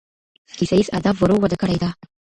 کیسه ییز ادب ورو وده کړې ده.